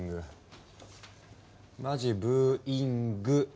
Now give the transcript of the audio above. まじブーイング。